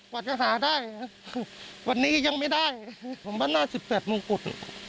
กว่าจะหาได้วันนี้ยังไม่ได้ผมว่าหน้า๑๘มงกุฎ